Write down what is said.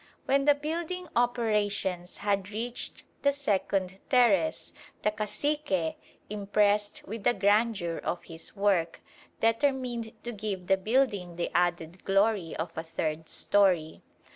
When the building operations had reached the second terrace the cacique, impressed with the grandeur of his work, determined to give the building the added glory of a third storey.